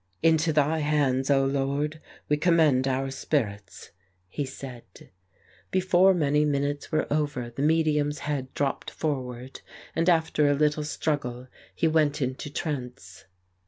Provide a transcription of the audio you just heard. "Into Thy hands, O Lord, we commend our spirits," he said. Before many minutes were over the medium's head dropped forward, and after a little struggle he went into trance.